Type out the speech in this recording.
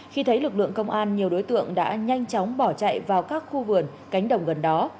khi thấy lực lượng công an nhiều đối tượng đã nhanh chóng bỏ chạy vào các khu vườn cánh đồng gần đó